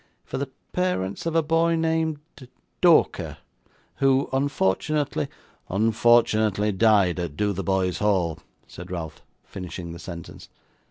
'For the parents of a boy named Dorker, who unfortunately '' unfortunately died at Dotheboys Hall,' said Ralph, finishing the sentence.